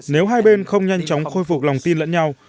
nếu hai bên không nhanh chóng khôi phục lòng tin lẫn nhau